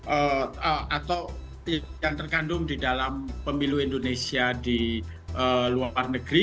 ada banyak masalah yang dilakukan atau yang terkandung di dalam pemilu indonesia di luar negeri